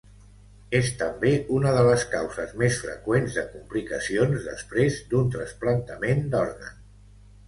És també una de les causes més freqüents de complicacions després d'un trasplantament d'òrgan.